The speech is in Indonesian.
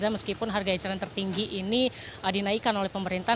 meskipun harga eceran tertinggi ini dinaikkan oleh pemerintah